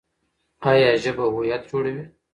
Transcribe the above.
ایا ژبه هویت جوړوي؟